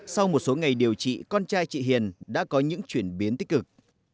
sau một số ngày điều trị con trai chị hiền đã có những chuyển biến tích cực